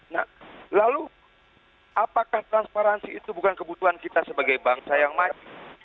nah lalu apakah transparansi itu bukan kebutuhan kita sebagai bangsa yang maju